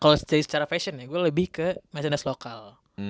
kalau secara fashion ya gue lebih ke merchandise lokal